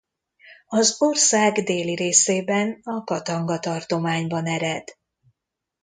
Az ország déli részében a Katanga tartományban ered.